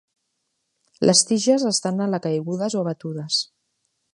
Les tiges estan alacaigudes o abatudes.